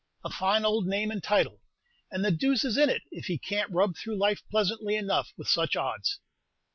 A fine old name and title, and the deuce is in it if he can't rub through life pleasantly enough with such odds."